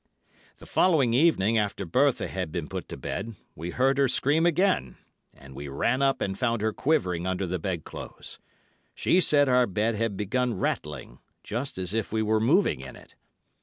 "The following evening after Bertha had been put to bed, we heard her scream again, and we ran up and found her quivering under the bedclothes. She said our bed had begun rattling, just as if we were moving in it.